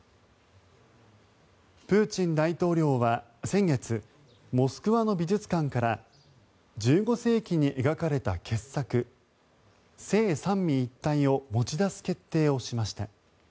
プーチン大統領は先月モスクワの美術館から１５世紀に描かれた傑作「聖三位一体」を持ち出す決定をしました。